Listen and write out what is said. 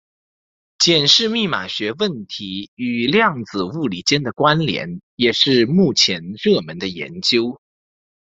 检视密码学问题与量子物理间的关连也是目前热门的研究。